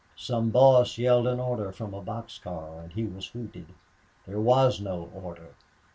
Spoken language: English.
Some boss yelled an order from a box car, and he was hooted. There was no order.